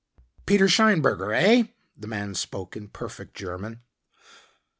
"Peter Scheinberger, heh?" the man spoke in perfect German.